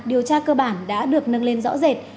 điều tra cơ bản đã được nâng lên rõ rệt